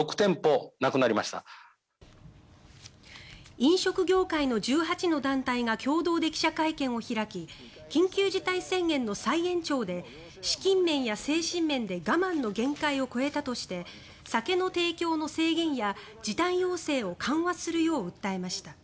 飲食業界の１８の団体が共同で記者会見を開き緊急事態宣言の再延長で資金面や精神面で我慢の限界を超えたとして酒の提供の制限や時短要請を緩和するよう訴えました。